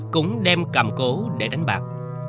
cũng đem cằm cố để đánh bạc